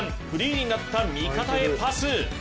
フリーになった味方へパス。